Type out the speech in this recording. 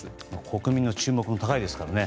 国民の注目も高いですからね。